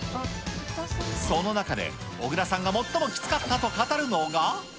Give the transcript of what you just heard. その中で、小倉さんが最もきつかったと語るのが。